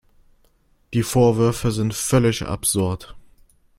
Die Vorwürfe sind völlig absurd.